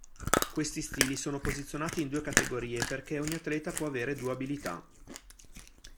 Questi stili sono posizionati in due categorie, perché ogni atleta può avere due abilità.